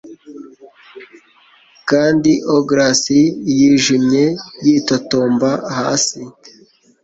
Kandi augurs yijimye yitotomba hasi